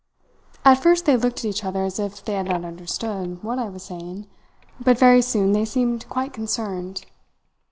"At first they looked at each other as if they had not understood what I was saying; but very soon they seemed quite concerned.